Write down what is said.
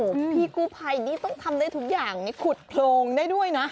พี่กู้ภัยนี่ต้องทำได้ทุกอย่างนี่ขุดโพรงได้ด้วยนะ